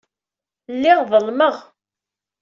Lliɣ ḍelmeɣ.